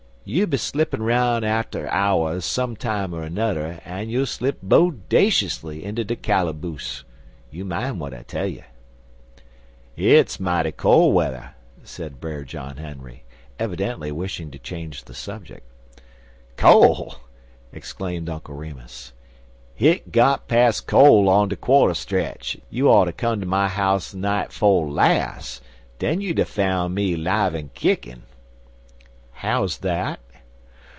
You'll be slippin' round arter hours some time er nudder, an you'll slip bodaciously inter de calaboose. You mine w'at I tell you." "It's mighty col' wedder," said Brer John Henry, evidently wishing to change the subject. "Col'!" exclaimed Uncle Remus; "hit got pas' col' on der quarter stretch. You oughter come to my house night 'fo' las'. Den you'd a foun' me 'live an' kickin'." "How's dat?"